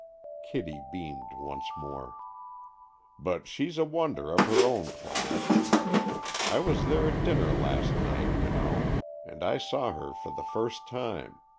Kitty beamed once more. "But she's a wonder, of her own class. I was there at dinner last night, you know, and I saw her for the first time.